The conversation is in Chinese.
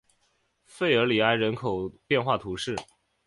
弗尔里埃人口变化图示